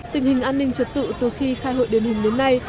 tình hình an ninh trật tự từ khi khai hội đền hùng đến nay